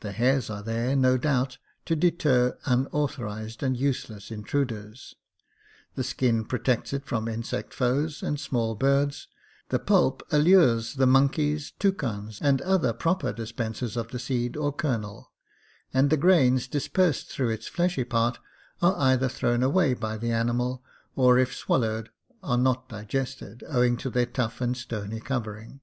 The hairs are there, no doubt, to deter unauthorized and useless intruders ; the skin pro tects it from insect foes and small birds ; the pulp allures the monkeys, toucans, and other proper dispensers of the seed or ker nel ; and the grains dispersed through its fleshy part are either thrown away by the animal, or, if swallowed, are not digested, owing to their tough and stony covering.